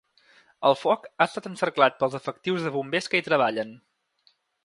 El foc ha estat encerclat pels efectius de bombers que hi treballen.